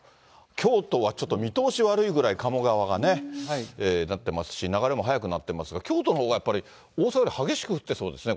京都はちょっと、見通し悪いぐらい、鴨川がね、なってますし、流れも速くなってますが、京都のほうがやっぱり、大阪より激しく降ってそうですね。